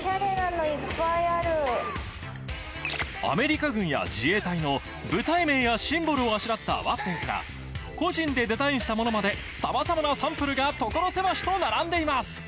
アメリカ軍や自衛隊の部隊名やシンボルをあしらったワッペンから個人でデザインしたものまでさまざまなサンプルが所狭しと並んでいます